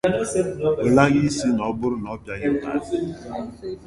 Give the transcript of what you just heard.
Ụlaga sị na ọ bụrụ na ọ pịaghị ụtarị